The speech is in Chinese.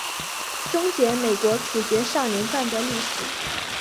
终结美国处决少年犯的历史。